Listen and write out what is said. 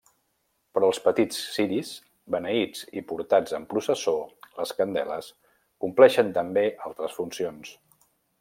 Però els petits ciris, beneïts i portats en processó -les candeles-, compleixen també altres funcions.